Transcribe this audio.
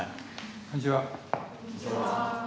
こんにちは。